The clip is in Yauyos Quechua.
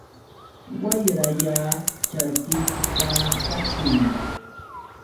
Wayralla charkiykita kaćhuy.